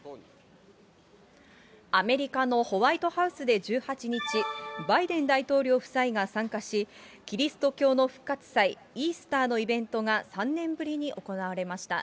アメリカのホワイトハウスで１８日、バイデン大統領夫妻が参加し、キリスト教の復活祭、イースターのイベントが３年ぶりに行われました。